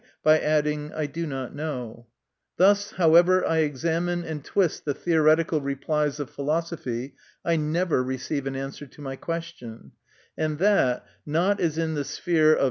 by adding, " I do not know." Thus, however I examine and twist the theoretical replies of philosophy, I never receive an answer to my question ; and that, not as in the sphere of 50 MY CONFESSION.